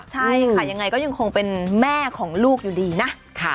ใช่ค่ะยังไงก็ยังคงเป็นแม่ของลูกอยู่ดีนะ